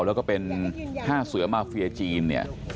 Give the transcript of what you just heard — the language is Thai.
แล้วก็เป็น๕เสือมาเฟียจีนเนี่ย